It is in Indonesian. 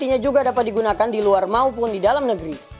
pastinya juga dapat digunakan di luar maupun di dalam negeri